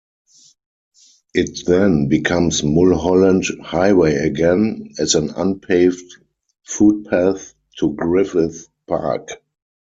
It then becomes Mulholland Highway again as an unpaved footpath to Griffith Park.